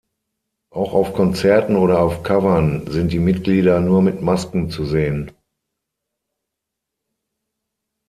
Auch auf Konzerten oder auf Covern sind die Mitglieder nur mit Masken zu sehen.